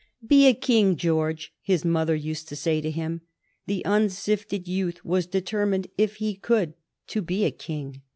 "Be a king, George," his mother used to say to him. The unsifted youth was determined, if he could, to be a king.